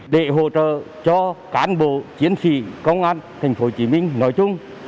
để hỗ trợ cho cán bộ chiến sĩ công an tp hcm nói chung